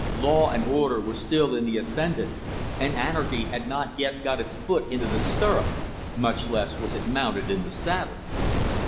Law and order were still in the ascendant, and anarchy had not yet got its foot into the stirrup, much less was it mounted in the saddle.